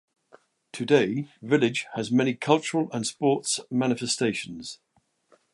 Today, village has many cultural and sports manifestations.